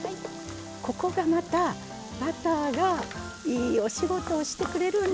ここがまたバターがいいお仕事をしてくれるんですよ。へ！